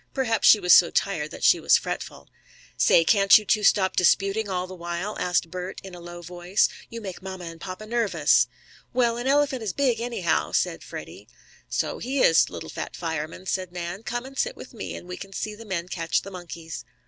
Perhaps she was so tired that she was fretful. "Say, can't you two stop disputing all the while?" asked Bert, in a low voice. "You make papa and mamma nervous." "Well, an elephant is big, anyhow," said Freddie. "So he is, little Fat Fireman," said Nan, "Come and sit with me, and we can see the men catch the monkeys."